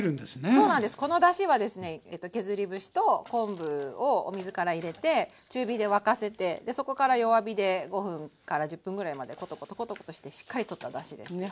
そうなんですこのだしはですね削り節と昆布をお水から入れて中火で沸かせてそこから弱火で５分から１０分ぐらいまでコトコトコトコトしてしっかり取っただしです。ね